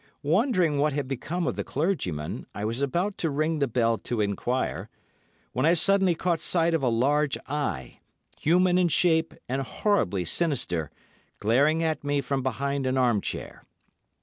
Wondering what had become of the clergyman, I was about to ring the bell to enquire, when I suddenly caught sight of a large eye, human in shape and horribly sinister, glaring at me from behind an arm chair.